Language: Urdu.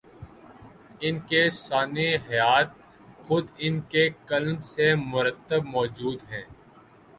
ان کی سوانح حیات، خود ان کے قلم سے مرتب موجود ہے۔